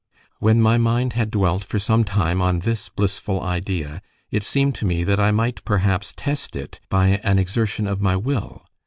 When my mind had dwelt for some time on this blissful idea, it seemed to me that I might perhaps test it by an exertion of my will.